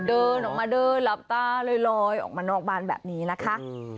เดินออกมาเดินหลับตาลอยออกมานอกบ้านแบบนี้นะคะ